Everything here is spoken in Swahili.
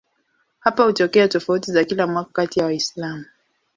Hapa hutokea tofauti za kila mwaka kati ya Waislamu.